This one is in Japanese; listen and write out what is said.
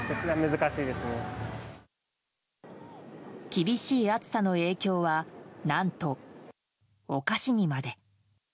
厳しい暑さの影響は何と、お菓子にまで。